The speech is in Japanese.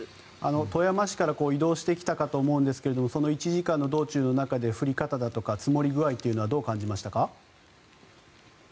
富山市から移動してきたかと思うんですがその１時間の道中の中で降り方とか積もり具合はどう感じましたか？